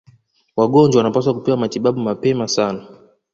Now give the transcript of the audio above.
Wagonjwa wanapaswa kupewa matibabu mapema sana